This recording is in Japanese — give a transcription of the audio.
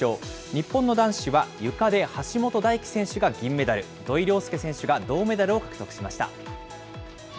日本の男子は、ゆかで橋本大輝選手が銀メダル、土井陵輔選手が銅メダルを獲得しました。